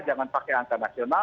jangan pakai antar nasional